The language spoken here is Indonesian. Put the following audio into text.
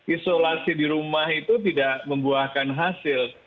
isolasi di rumah itu tidak membuahkan hasil